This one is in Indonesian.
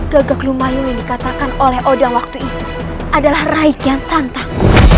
gagak lumayun yang dikatakan oleh odang waktu itu adalah raikian santang